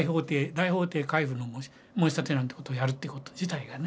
大法廷回付の申立なんてことをやるってこと自体がね。